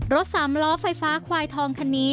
สามล้อไฟฟ้าควายทองคันนี้